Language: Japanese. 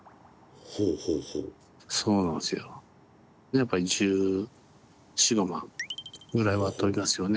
やっぱり１４１５万ぐらいは飛びますよね。